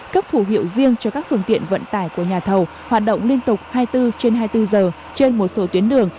cấp phủ hiệu riêng cho các phương tiện vận tải của nhà thầu hoạt động liên tục hai mươi bốn trên hai mươi bốn giờ trên một số tuyến đường